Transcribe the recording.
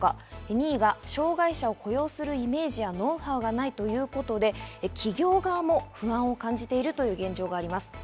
２位が障害者を雇用するイメージやノウハウがないということで、企業側も不安を感じているという現状があります。